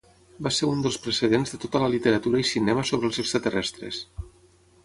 Va ser un dels precedents de tota la literatura i cinema sobre els extraterrestres.